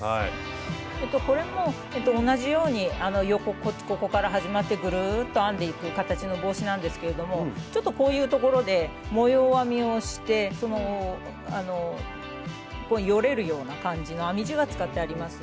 これも同じように横ここから始まってぐるっと編んでいく形の帽子なんですけれどもちょっとこういうところで模様編みをしてよれるような感じの編み地が使ってあります。